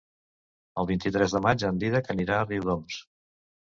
El vint-i-tres de maig en Dídac anirà a Riudoms.